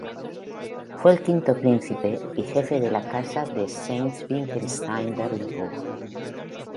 Fue el V príncipe y jefe de la Casa de Sayn-Wittgenstein-Berleburg.